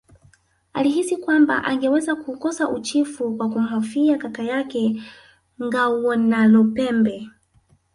Alihisi kwamba angeweza kuukosa uchifu kwa kumhofia kaka yake Ngawonalupembe